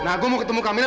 nah gue mau ketemu camilla